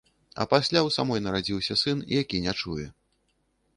А пасля ў самой нарадзіўся сын, які не чуе.